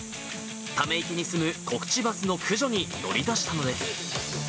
ため池に住むコクチバスの駆除に乗り出したのです。